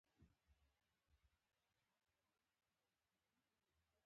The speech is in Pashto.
کلام له فلسفې پرته نه غوړېږي.